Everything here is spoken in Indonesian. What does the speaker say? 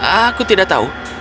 aku tidak tahu